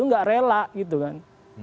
tidak rela gitu kan